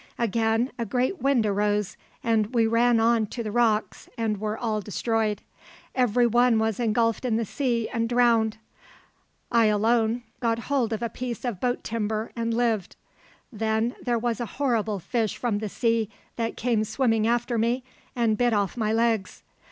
"Again a great wind arose, and we ran on to the rocks and were all destroyed. Every one was engulfed in the sea and drowned; I alone got hold of a piece of boat timber and lived. Then there was a horrible fish from the sea that came swimming after me and bit off my legs.